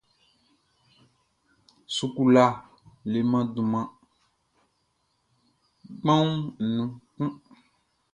Sukula leman dunman kpanwun nun kun.